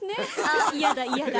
あ嫌だ嫌だ。